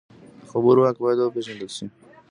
د خبرو واک باید وپېژندل شي